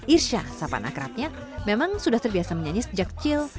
irsha sapa anak rapnya memang sudah terbiasa menyanyi sejak kecil